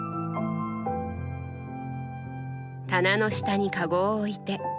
棚の下にかごを置いて。